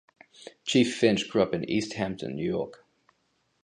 Chief Finch grew up in East Hampton, New York.